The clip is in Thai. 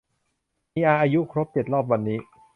มีอาอายุครบรอบเจ็ดขวบวันนี้